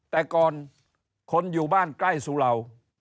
แต่ก่อนคนอยู่บ้านใกล้สุเหล่า